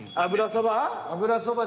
油そば。